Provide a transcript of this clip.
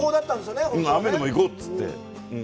うん、雨でも行こうって言って。